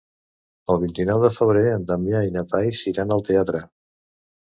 El vint-i-nou de febrer en Damià i na Thaís iran al teatre.